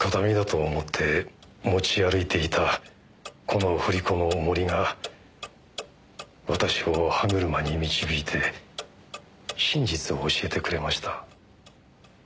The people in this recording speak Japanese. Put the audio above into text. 形見だと思って持ち歩いていたこの振り子の重りが私を歯車に導いて真実を教えてくれました。